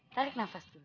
tarik nafas dulu